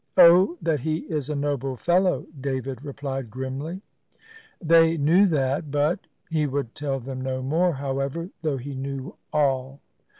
"Oh, that he is a noble fellow," David replied grimly. They knew that, but He would tell them no more, however, though he knew all.